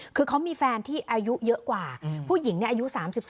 คือเขามีแฟนที่อายุเยอะกว่าผู้หญิงอายุ๓๒